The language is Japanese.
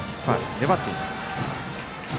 粘っています。